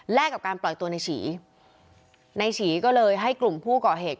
กับการปล่อยตัวในฉีในฉีก็เลยให้กลุ่มผู้ก่อเหตุ